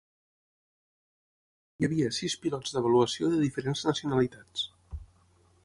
Hi havia sis pilots d'avaluació de diferents nacionalitats.